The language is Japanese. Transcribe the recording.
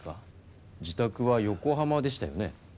自宅は横浜でしたよね？